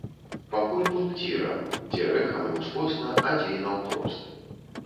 Пакуль пункцірам, дзе рэхам і ўскосна, а дзе і наўпрост.